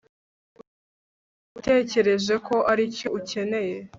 natekereje ko aricyo ukeneye